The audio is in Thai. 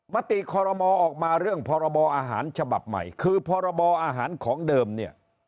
มติคอรมอออกมาเรื่องพรบอาหารฉบับใหม่คือพรบอาหารของเดิมเนี่ย